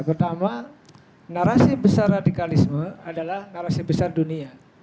pertama narasi besar radikalisme adalah narasi besar dunia